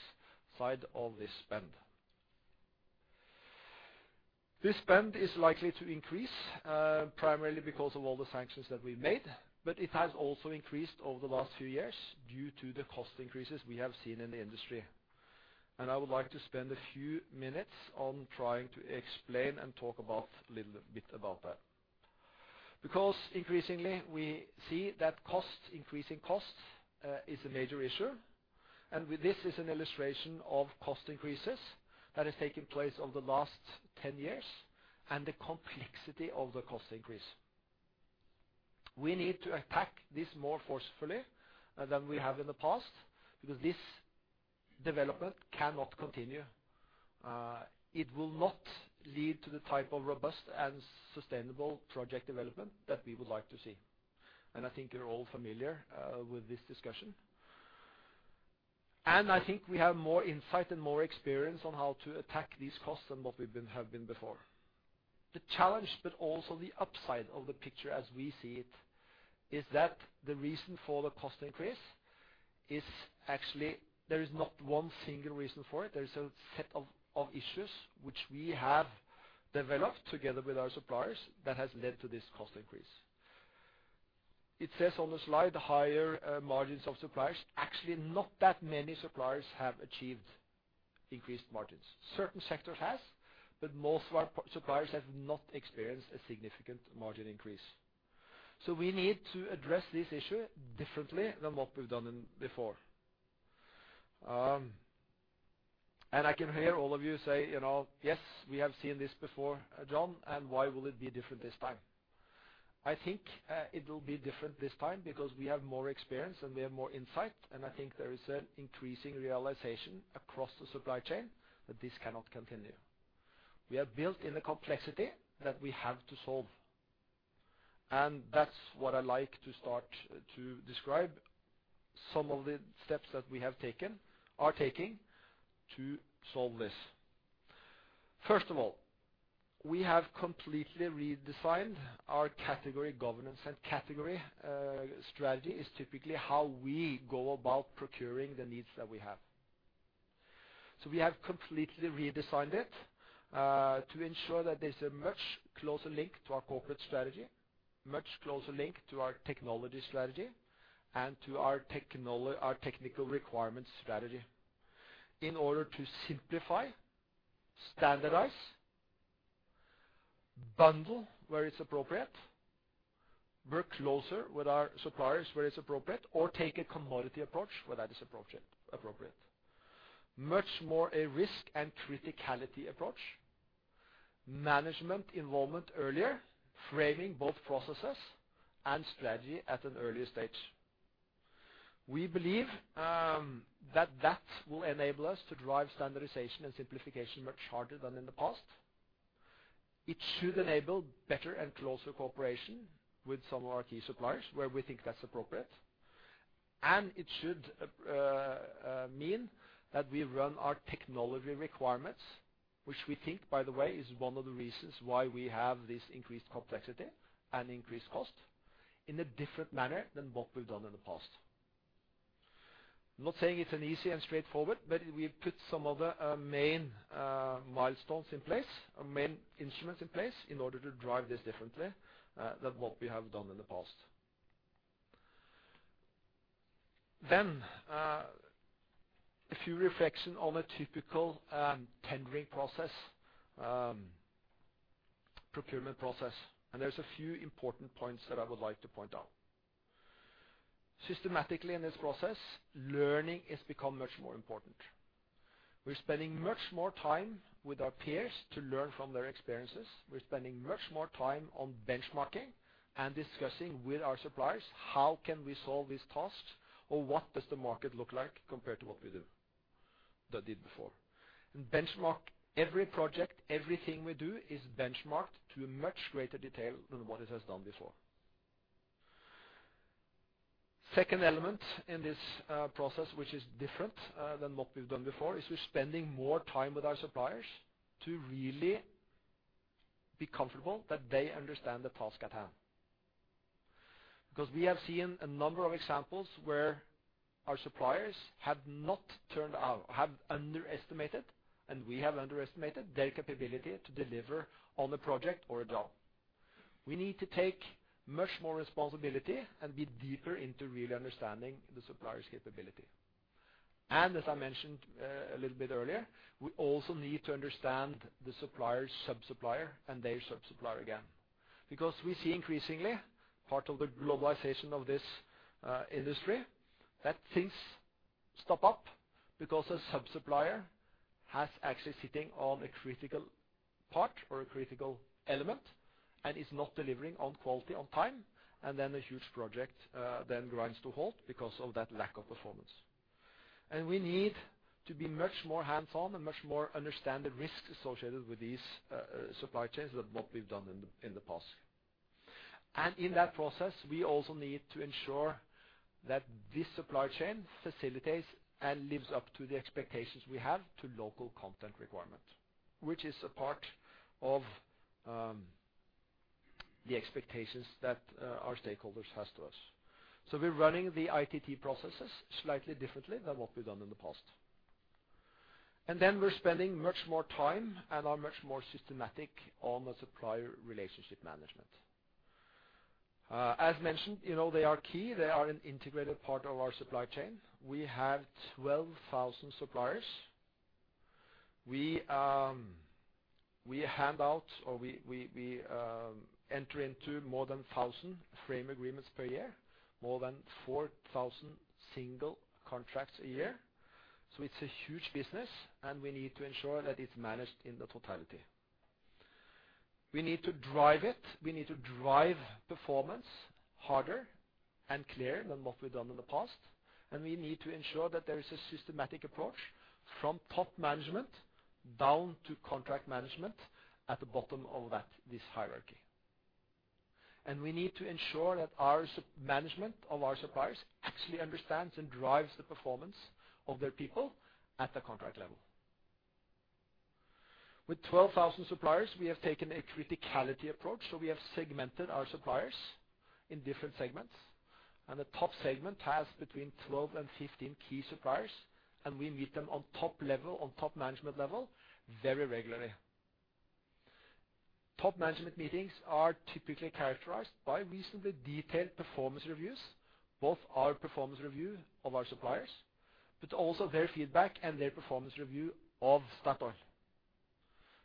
side of this spend. This spend is likely to increase, primarily because of all the sanctions that we've made, but it has also increased over the last few years due to the cost increases we have seen in the industry. I would like to spend a few minutes on trying to explain and talk about a little bit about that. Because increasingly we see that costs, increasing costs, is a major issue, and with this is an illustration of cost increases that has taken place over the last 10 years and the complexity of the cost increase. We need to attack this more forcefully, than we have in the past because this development cannot continue. It will not lead to the type of robust and sustainable project development that we would like to see. I think you're all familiar with this discussion. I think we have more insight and more experience on how to attack these costs than what we've been, have been before. The challenge, but also the upside of the picture as we see it, is that the reason for the cost increase is actually there is not one single reason for it. There is a set of issues which we have developed together with our suppliers that has led to this cost increase. It says on the slide, higher margins of suppliers. Actually, not that many suppliers have achieved increased margins. Certain sectors has, but most of our suppliers have not experienced a significant margin increase. We need to address this issue differently than what we've done before. I can hear all of you say, you know, "Yes, we have seen this before, Jon ArntJacobsen, and why will it be different this time?" I think it will be different this time because we have more experience, and we have more insight, and I think there is an increasing realization across the supply chain that this cannot continue. We have built in a complexity that we have to solve, and that's what I like to start to describe some of the steps that we have taken, are taking to solve this. First of all, we have completely redesigned our category governance and category strategy is typically how we go about procuring the needs that we have. We have completely redesigned it to ensure that there's a much closer link to our corporate strategy, much closer link to our technology strategy and to our technical requirements strategy in order to simplify, standardize, bundle where it's appropriate, work closer with our suppliers where it's appropriate, or take a commodity approach where that is appropriate. Much more a risk and criticality approach. Management involvement earlier, framing both processes and strategy at an earlier stage. We believe that that will enable us to drive standardization and simplification much harder than in the past. It should enable better and closer cooperation with some of our key suppliers where we think that's appropriate. It should mean that we run our technology requirements, which we think, by the way, is one of the reasons why we have this increased complexity and increased cost in a different manner than what we've done in the past. I'm not saying it's an easy and straightforward, but we've put some of the main milestones in place main instruments in place in order to drive this differently than what we have done in the past. A few reflections on a typical tendering process, procurement process, and there's a few important points that I would like to point out. Systematically in this process, learning has become much more important. We're spending much more time with our peers to learn from their experiences. We're spending much more time on benchmarking and discussing with our suppliers, how can we solve these tasks, or what does the market look like compared to what we do than did before. Benchmark every project, everything we do is benchmarked to a much greater detail than what it has done before. Second element in this process, which is different than what we've done before, is we're spending more time with our suppliers to really be comfortable that they understand the task at hand. Because we have seen a number of examples where our suppliers have underestimated, and we have underestimated their capability to deliver on a project or a job. We need to take much more responsibility and be deeper into really understanding the supplier's capability. As I mentioned, a little bit earlier, we also need to understand the supplier's sub-supplier and their sub-supplier again. Because we see increasingly, part of the globalization of this, industry, that things stop up because a sub-supplier has actually sitting on a critical part or a critical element and is not delivering on quality on time, and then a huge project, then grinds to halt because of that lack of performance. We need to be much more hands-on and much more understand the risks associated with these, supply chains than what we've done in the past. In that process, we also need to ensure that this supply chain facilitates and lives up to the expectations we have to local content requirement, which is a part of, the expectations that, our stakeholders has to us. We're running the ITT processes slightly differently than what we've done in the past. We're spending much more time and are much more systematic on the supplier relationship management. As mentioned, you know, they are key. They are an integrated part of our supply chain. We have 12,000 suppliers. We hand out, or we enter into more than 1,000 frame agreements per year, more than 4,000 single contracts a year. It's a huge business, and we need to ensure that it's managed in the totality. We need to drive it. We need to drive performance harder and clearer than what we've done in the past. We need to ensure that there is a systematic approach from top management down to contract management at the bottom of that, this hierarchy. We need to ensure that our management of our suppliers actually understands and drives the performance of their people at the contract level. With 12,000 suppliers, we have taken a criticality approach, so we have segmented our suppliers in different segments. The top segment has between 12 and 15 key suppliers, and we meet them on top level, on top management level very regularly. Top management meetings are typically characterized by reasonably detailed performance reviews, both our performance review of our suppliers, but also their feedback and their performance review of Statoil.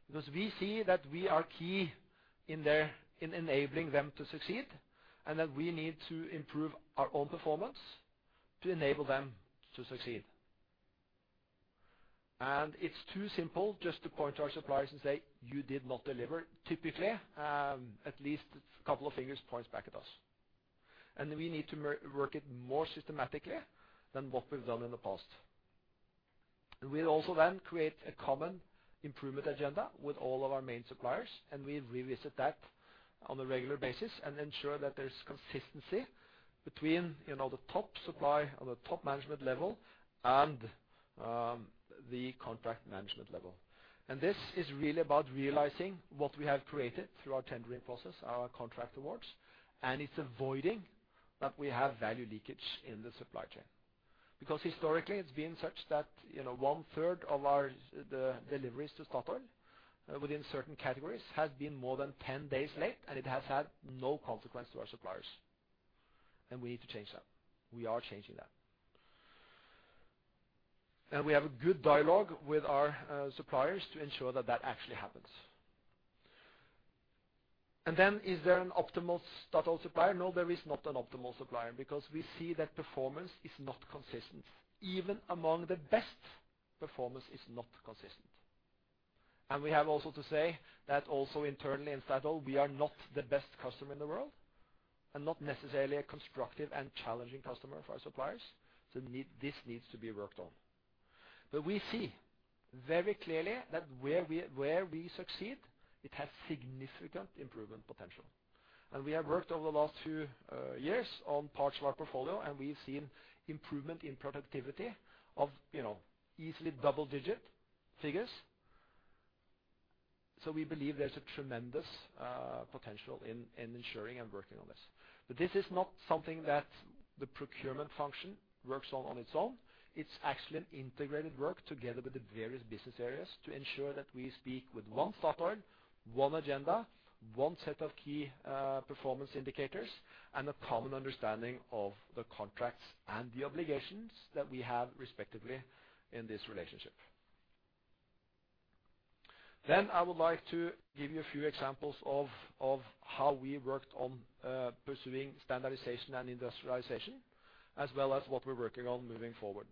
Because we see that we are key in their, in enabling them to succeed, and that we need to improve our own performance to enable them to succeed. It's too simple just to point to our suppliers and say, "You did not deliver." Typically, at least a couple of fingers points back at us. We need to work it more systematically than what we've done in the past. We'll also then create a common improvement agenda with all of our main suppliers, and we revisit that on a regular basis and ensure that there's consistency between, you know, the top supplier on the top management level and, the contract management level. This is really about realizing what we have created through our tendering process, our contract awards, and it's avoiding that we have value leakage in the supply chain. Because historically, it's been such that, you know, 1/3 of our, the deliveries to Statoil within certain categories has been more than 10 days late, and it has had no consequence to our suppliers. We need to change that. We are changing that. We have a good dialogue with our suppliers to ensure that that actually happens. Then is there an optimal Statoil supplier? No, there is not an optimal supplier because we see that performance is not consistent. Even among the best, performance is not consistent. We have also to say that also internally in Statoil, we are not the best customer in the world and not necessarily a constructive and challenging customer for our suppliers, so this needs to be worked on. We see very clearly that where we succeed, it has significant improvement potential. We have worked over the last two years on parts of our portfolio, and we've seen improvement in productivity of, you know, easily double-digit figures. We believe there's a tremendous potential in ensuring and working on this. This is not something that the procurement function works on its own. It's actually an integrated work together with the various business areas to ensure that we speak with one Statoil, one agenda, one set of key performance indicators, and a common understanding of the contracts and the obligations that we have respectively in this relationship. I would like to give you a few examples of how we worked on pursuing standardization and industrialization, as well as what we're working on moving forward.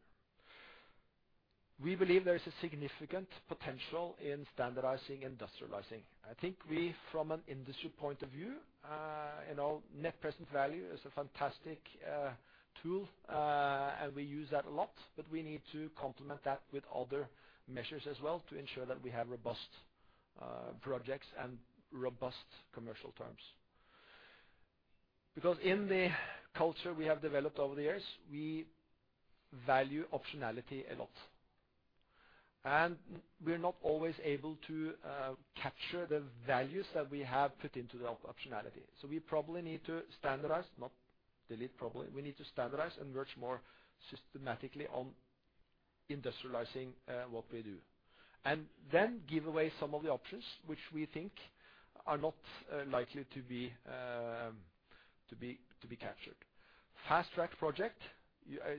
We believe there is a significant potential in standardizing industrializing. I think we from an industry point of view, you know, net present value is a fantastic tool, and we use that a lot, but we need to complement that with other measures as well to ensure that we have robust projects and robust commercial terms. In the culture we have developed over the years, we value optionality a lot, and we're not always able to capture the values that we have put into the optionality. We probably need to standardize, not delete, and work more systematically on industrializing what we do. Then give away some of the options which we think are not likely to be captured. Fast-track project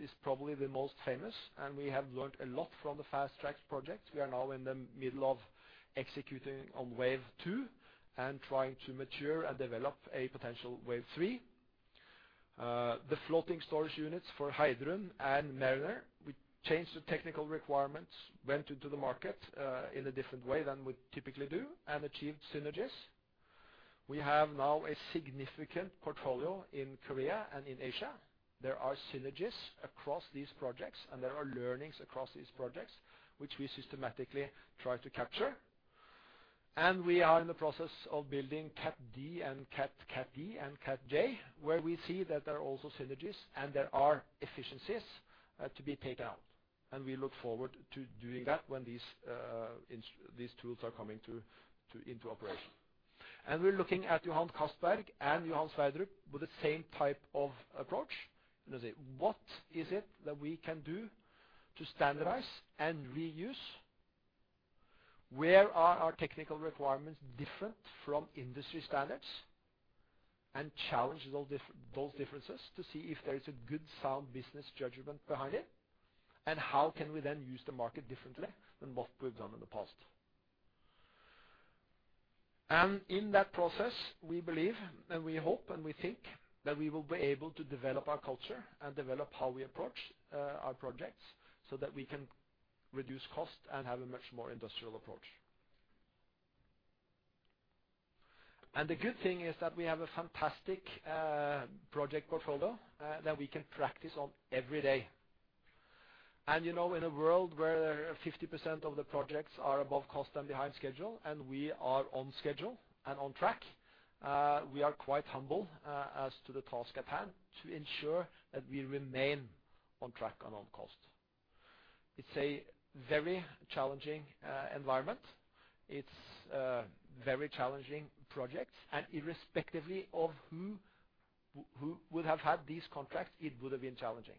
is probably the most famous, and we have learned a lot from the fast-track project. We are now in the middle of executing on wave two and trying to mature and develop a potential wave three. The floating storage units for Heidrun and Mariner. We changed the technical requirements, went into the market, in a different way than we typically do and achieved synergies. We have now a significant portfolio in Korea and in Asia. There are synergies across these projects, and there are learnings across these projects which we systematically try to capture. We are in the process of building Cat D and Cat E and Cat J, where we see that there are also synergies and there are efficiencies to be taken out. We look forward to doing that when these tools are coming into operation. We're looking at Johan Castberg and Johan Sverdrup with the same type of approach. Say, what is it that we can do to standardize and reuse? Where are our technical requirements different from industry standards and challenge those differences to see if there is a good, sound business judgment behind it, and how can we then use the market differently than what we've done in the past. In that process, we believe and we hope, and we think that we will be able to develop our culture and develop how we approach our projects so that we can reduce cost and have a much more industrial approach. The good thing is that we have a fantastic project portfolio that we can practice on every day. You know, in a world where 50% of the projects are above cost and behind schedule, and we are on schedule and on track, we are quite humble as to the task at hand to ensure that we remain on track and on cost. It's a very challenging environment. It's a very challenging project, and irrespective of who would have had these contracts, it would have been challenging.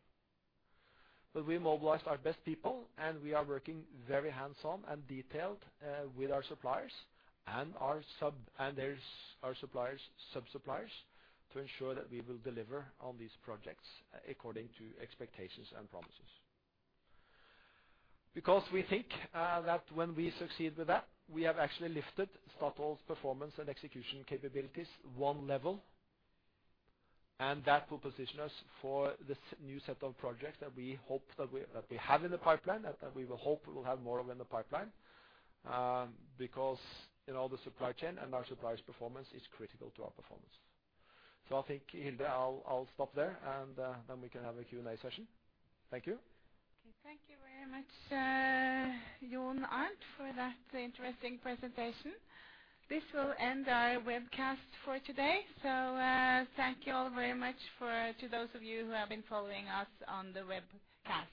We mobilized our best people, and we are working very hands-on and detailed with our suppliers and our sub-suppliers to ensure that we will deliver on these projects according to expectations and promises. Because we think that when we succeed with that, we have actually lifted Statoil 's performance and execution capabilities one level, and that will position us for this new set of projects that we hope that we have in the pipeline and that we will hope will have more of in the pipeline. Because in all the supply chain and our suppliers' performance is critical to our performance. I think, Hilde, I'll stop there and then we can have a Q&A session. Thank you. Okay. Thank you very much, Jon Arnt, for that interesting presentation. This will end our webcast for today. Thank you all very much to those of you who have been following us on the webcast.